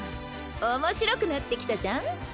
おもしろくなってきたじゃん。